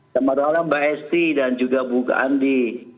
selamat malam mbak esti dan juga bu andi